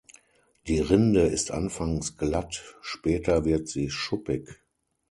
Die Rinde ist anfangs glatt, später wird sie schuppig.